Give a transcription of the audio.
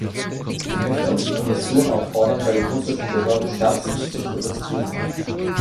Ich möchte auch die Kommission auffordern, bei den russischen Behörden schärfstens zu protestieren.